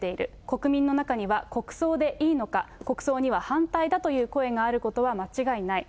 国民の中には、国葬でいいのか、国葬には反対だという声があることは間違いない。